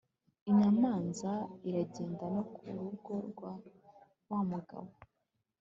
inyamanza iragenda no ku rugo rwa wa mugabo